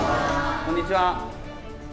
こんにちは。